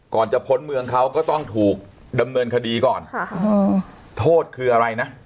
ก่อนจะพ้นเมืองเขาก็ต้องถูกดำเนินคดีก่อนค่ะโทษคืออะไรนะ